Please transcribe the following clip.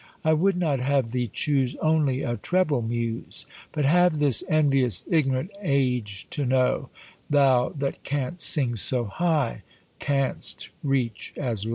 I would not have thee chuse Only a treble muse; But have this envious, ignorant age to know, Thou that canst sing so high, canst reach as low.